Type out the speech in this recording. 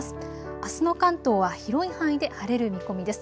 あすの関東は広い範囲で晴れる見込みです。